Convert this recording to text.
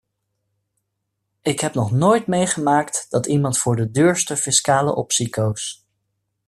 Ik heb nog nooit meegemaakt dat iemand voor de duurste fiscale optie koos.